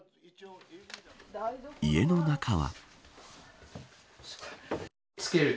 家の中は。